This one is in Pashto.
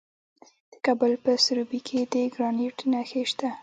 د کابل په سروبي کې د ګرانیټ نښې شته.